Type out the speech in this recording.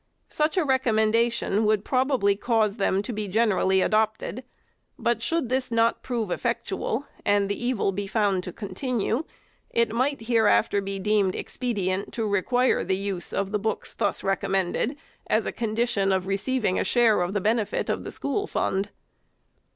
Such a recommendation would probably cause them to be gen erally adopted ; but should this not prove effectual, and the evil be found to continue, it might hereafter be deemed expedient to require the use of the books thus OP THE BOARD OP EDUCATION. 381 recommended, as a condition of receiving a share of the benefit of the school fund.